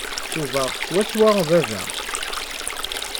Cubaɣ swaswa baba.